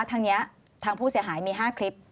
ทางนี้ทางผู้เสียหายมี๕คลิป